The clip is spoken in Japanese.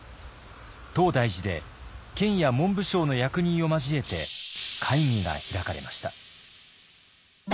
東大寺で県や文部省の役人を交えて会議が開かれました。